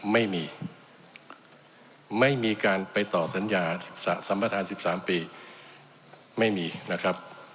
ไม่มีไม่มีการไปต่อสัญญาสัมประธาน๑๓ปีไม่มีนะครับ